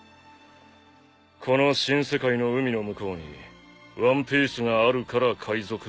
この新世界の海の向こうにワンピースがあるから海賊が生まれるのか？